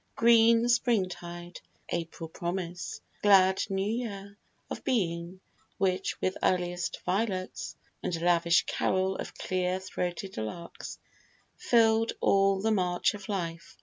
Green springtide, April promise, glad new year Of Being, which with earliest violets, And lavish carol of clear throated larks, Fill'd all the march of life.